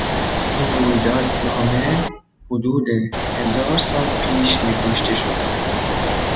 این رویداد نامه حدود هزار سال پیش نگاشته شده است.